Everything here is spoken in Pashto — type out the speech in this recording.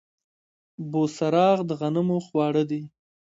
بوسراغ د غنمو خواړه دي.